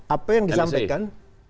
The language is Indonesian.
apa yang disampaikan